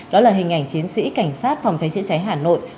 đó là hình ảnh chiến sĩ cảnh sát phòng cháy chữa cháy hà nội